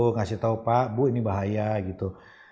ngasih tahu pak bu ini bahaya gitu